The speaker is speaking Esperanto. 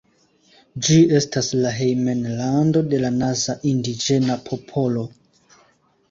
Ĝi estas la hejmlando de la Naza indiĝena popolo.